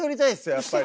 やっぱり。